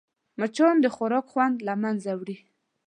مچان د خوراک خوند له منځه وړي